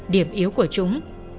điểm yếu của chúng